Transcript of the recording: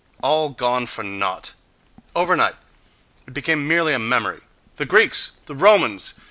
All gone for naught! Overnight it became merely a memory!—The Greeks! The Romans!